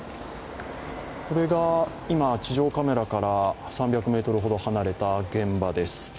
これが今、地上カメラから３００ｍほど離れた現場です。